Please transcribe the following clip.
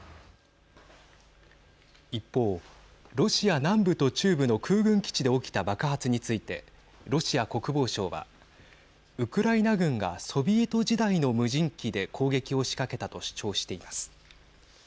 一方、ロシア南部と中部の空軍基地で起きた爆発についてロシア国防省はウクライナ軍がソビエト時代の無人機で攻撃を仕掛けたと主張しています。